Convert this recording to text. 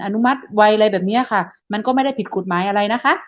อนุมัติวัยอะไรแบบเนี้ยค่ะมันก็ไม่ได้ผิดกฎหมายอะไรนะคะ